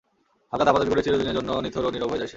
হাল্কা দাপাদাপি করে চিরদিনের জন্য নিথর ও নীরব হয়ে যায় সে।